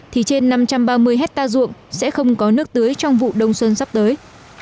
thì trên năm trăm ba mươi hectare ruộng sẽ không có nước tưới trong vụ đông xuân sắp tới